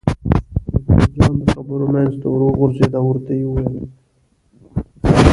اکبرجان د خبرو منځ ته ور وغورځېد او ورته یې وویل.